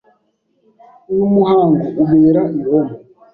Uyu muhango ubera i Roma